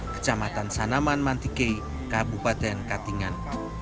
kecamatan sanaman mantikei kabupaten katingan